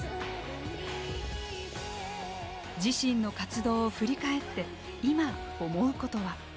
自身の活動を振り返って今、思うことは。